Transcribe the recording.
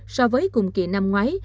so với cùng kỳ năm ngoái